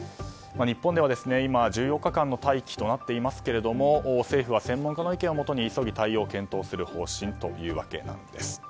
日本では今１４日間の待機となっていますが政府は専門家の意見をもとに早期対応を検討ということです。